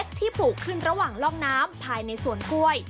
ที่ปลูกขึ้นระหว่างร่องน้ำภายในสวนกล้วย